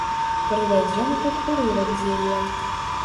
Прывядзём тут урывак з яе.